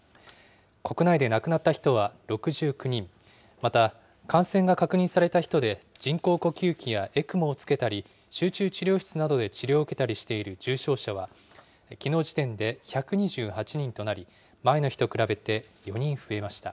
国内で亡くなった人は６９人、また、感染が確認された人で人工呼吸器やＥＣＭＯを着けたり、集中治療室などで治療を受けたりしている重症者は、きのう時点で１２８人となり、前の日と比べて４人増えました。